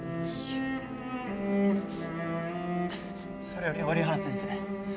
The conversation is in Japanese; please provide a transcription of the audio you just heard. それより折原先生